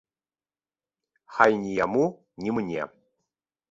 Хай ні яму, ні мне!